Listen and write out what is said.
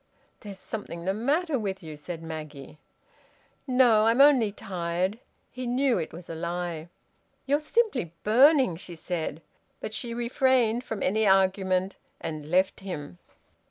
"There's something the matter with you," said Maggie. "No. I'm only tired." He knew it was a lie. "You're simply burning," she said, but she refrained from any argument, and left him.